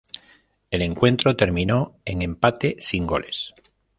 El encuentro terminó en empate sin goles.